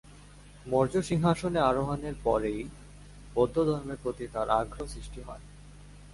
মৌর্য সিংহাসনে আরোহনের পরই বৌদ্ধধর্মের প্রতি তাঁর আগ্রহ সৃষ্টি হয়।